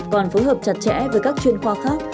còn phối hợp chặt chẽ với các chuyên khoa khác